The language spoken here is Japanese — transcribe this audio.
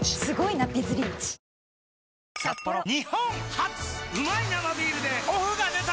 初うまい生ビールでオフが出た！